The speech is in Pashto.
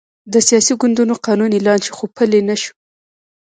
د سیاسي ګوندونو قانون اعلان شو، خو پلی نه شو.